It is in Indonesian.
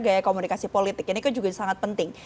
gaya komunikasi politik ini kan juga sangat penting